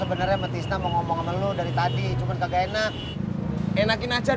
sebenarnya matisnya mau ngomong sama lu dari tadi cuman kagak enak enakin aja